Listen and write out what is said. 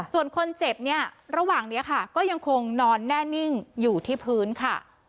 ส่วนคนเจ็บเนี่ยระหว่างนี้ค่ะก็ยังคงนอนแน่นิ่งอยู่ที่พื้นค่ะ